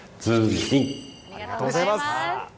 ありがとうございます。